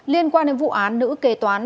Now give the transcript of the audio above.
liên quan đến vụ án nữ kế toán